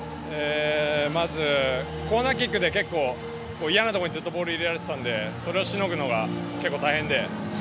まずコーナーキックで嫌な所にずっとボールを入れられていたのでそれをしのぐのが結構大変で。